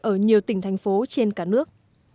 ở nhiều tỉnh thành phố trên cả nước